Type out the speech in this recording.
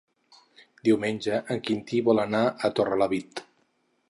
Diumenge en Quintí vol anar a Torrelavit.